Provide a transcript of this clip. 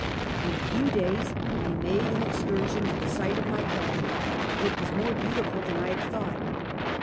In a few days we made an excursion to the site of my cabin. It was more beautiful than I had thought.